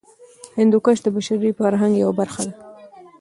هندوکش د بشري فرهنګ یوه برخه ده.